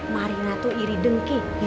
marina tuh iri dengki